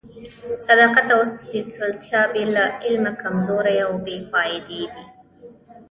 صداقت او سپېڅلتیا بې له علمه کمزوري او بې فائدې دي.